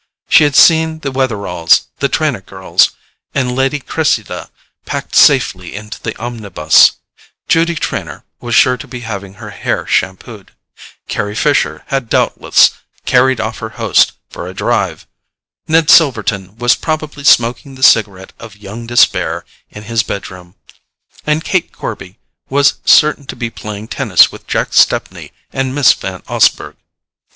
She had seen the Wetheralls, the Trenor girls and Lady Cressida packed safely into the omnibus; Judy Trenor was sure to be having her hair shampooed; Carry Fisher had doubtless carried off her host for a drive; Ned Silverton was probably smoking the cigarette of young despair in his bedroom; and Kate Corby was certain to be playing tennis with Jack Stepney and Miss Van Osburgh.